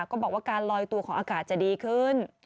ก็บอกว่าการลอยตัวของอากาศจะดีขึ้น